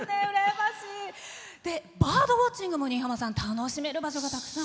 バードウォッチングも楽しめる場所がたくさん。